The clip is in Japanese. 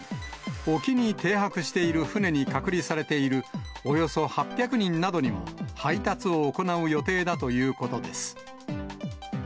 沖に停泊している船に隔離されているおよそ８００人などにも、配達を行う予定だということです。